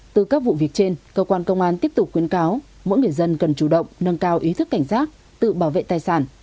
từ các vụ việc trên cơ quan công an tiếp tục khuyến cáo mỗi người dân cần chủ động nâng cao ý thức cảnh giác tự bảo vệ tài sản